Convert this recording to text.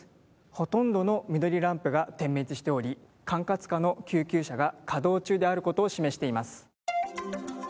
ほとんどの緑ランプが点滅しており管轄下の救急車が稼働中であることを示しています。